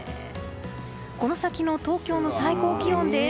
この先の東京の最高気温です。